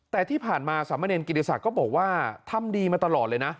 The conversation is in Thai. แต่ที่ผ่านมาสามเณรกิติศักดิ์ก็บอกว่าทำดีมาตลอดเลยนะ